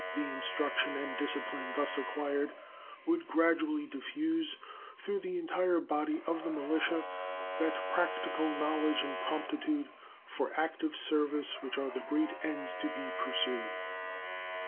The instruction and discipline thus acquired would gradually diffuse through the entire body of the militia that practical knowledge and promptitude for active service which are the great ends to be pursued.